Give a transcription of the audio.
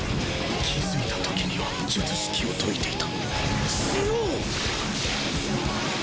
気付いた時には術式を解いていた。